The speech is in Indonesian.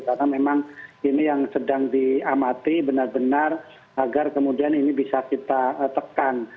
karena memang ini yang sedang diamati benar benar agar kemudian ini bisa kita tekan